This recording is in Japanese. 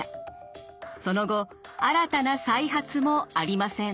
その後新たな再発もありません。